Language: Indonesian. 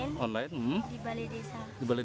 belajar online di balai desa